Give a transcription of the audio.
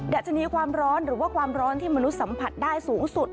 ัชนีความร้อนหรือว่าความร้อนที่มนุษย์สัมผัสได้สูงสุด